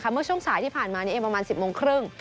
เมื่อช่วงสายที่ผ่านมานี้เองประมาณ๑๐โมงครึ่ง